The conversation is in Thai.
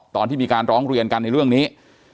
ตอนที่มีการร้องเรียนกันในเรื่องนี้